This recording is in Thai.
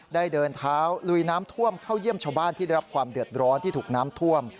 เดินเท้าลุยน้ำท่วมเข้าเยี่ยมชาวบ้านที่ได้รับความเดือดร้อนที่ถูกน้ำท่วม